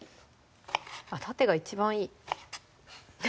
縦が一番いい